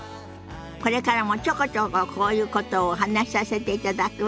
これからもちょこちょここういうことをお話しさせていただくわね。